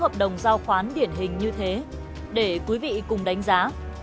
hợp đồng giao khoán điển hình như thế để quý vị cùng đánh giá